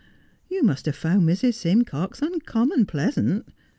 ' You must have found Mrs. Simcox uncommon pleasant.